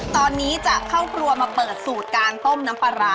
ตอนนี้จะเข้าครัวมาเปิดสูตรการต้มน้ำปลาร้า